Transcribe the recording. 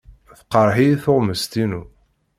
Teqreḥ-iyi tuɣmest-inu.